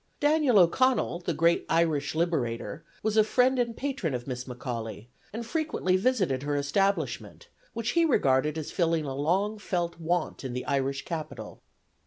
Daniel O'Connell, the great Irish liberator, was a friend and patron of Miss McAuley, and frequently visited her establishment, which he regarded as filling a long felt want in the Irish capital.